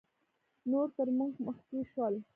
نور تر موږ مخکې شول